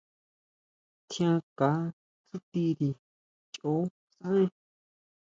Tjiánka tsutiri choʼo sʼaen.